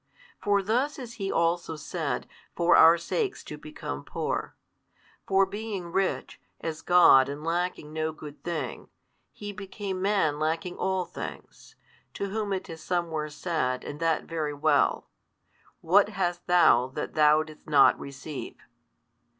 For thus is He also said for our sakes to become poor. For being rich, as God and lacking no good thing, He became Man lacking all things, to whom it is somewhere said and that very well, What hast thou that thou didst not receive?